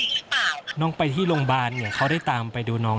ที่โพสต์ก็คือเพื่อต้องการจะเตือนเพื่อนผู้หญิงในเฟซบุ๊คเท่านั้นค่ะ